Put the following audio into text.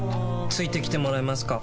付いてきてもらえますか？